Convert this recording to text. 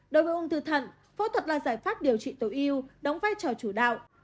đối với ung thư thận phẫu thuật là giải pháp điều trị tối yêu đóng vai trò chủ đạo